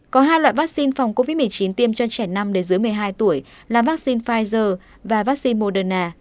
có hai loại vaccine phòng covid một mươi chín tiêm cho trẻ năm đến dưới một mươi hai tuổi là vaccine pfizer và vaccine moderna